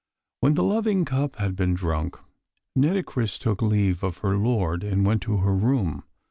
When the loving cup had been drunk, Nitocris took leave of her lord and went to her room.